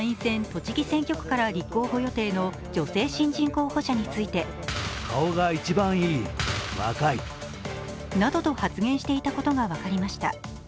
栃木選挙区から立候補予定の女性新人候補者についてなどと発言していたことが分かりました。